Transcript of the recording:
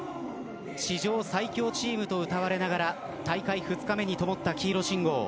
史上最強チームとうたわれながら大会２日目にともった黄色信号。